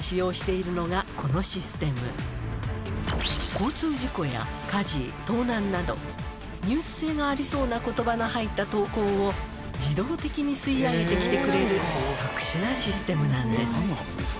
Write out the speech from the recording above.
交通事故や火事盗難などニュース性がありそうな言葉の入った投稿を自動的に吸い上げて来てくれる特殊なシステムなんです